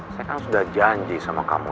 saya kan sudah janji sama kamu